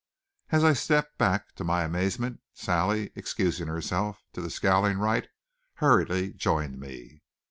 As I stepped back, to my amazement, Sally, excusing herself to the scowling Wright, hurriedly joined me.